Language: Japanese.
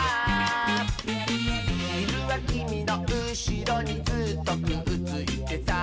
「ひるはきみのうしろにずっとくっついてさ」